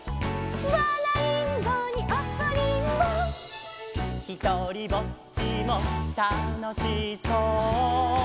「わらいんぼにおこりんぼ」「ひとりぼっちもたのしそう」